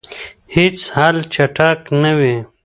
هیڅ حل چټک نه وي.